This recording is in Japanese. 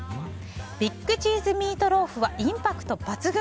ビッグチーズミートローフはインパクト抜群。